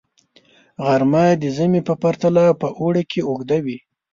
غرمه د ژمي په پرتله په اوړي کې اوږده وي